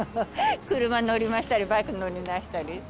車乗り回したり、バイク乗り回したり。